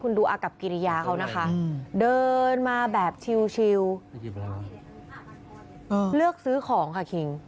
คุณดูอากับกิริยาเขานะคะเดินมาแบบชิลเลือกซื้อของค่ะคิง